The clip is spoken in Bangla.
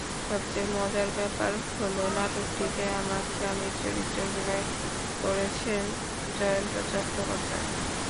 সবচেয়ে মজার ব্যাপার হলো, নাটকটিতে আমার স্বামীর চরিত্রে অভিনয় করেছেন জয়ন্ত চট্টোপাধ্যায়।